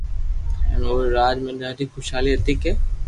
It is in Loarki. ھين اوري راج ۾ ڌاڌي خوݾالي ھتي ايڪ